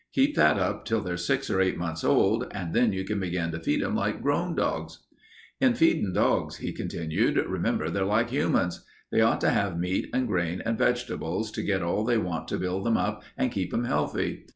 Keep that up till they're six or eight months old, and then you can begin to feed 'em like grown dogs. "In feedin' dogs," he continued, "remember they're like humans. They ought to have meat and grain and vegetables to get all they want to build 'em up and keep 'em healthy.